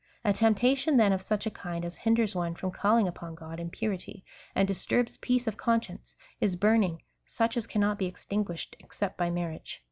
A temptation, then, of such a kind as hinders one from calling ujDon God in purity, and disturbs peace of conscience, is hurning, such as cannot be extinguished exce^it by marriage.